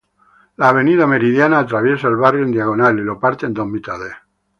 La avenida Meridiana atraviesa el barrio en diagonal y lo parte en dos mitades.